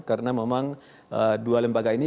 karena memang dua lembaga ini